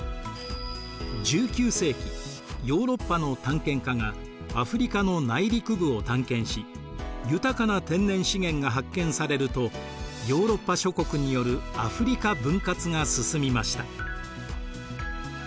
１９世紀ヨーロッパの探検家がアフリカの内陸部を探検し豊かな天然資源が発見されるとヨーロッパ諸国によるアフリカ分割が進みました。